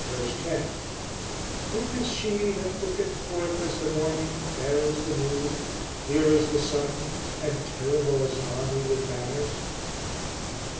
10: "Who is she that looketh forth as the morning, fair as the moon, clear as the sun, and terrible as an army with banners?"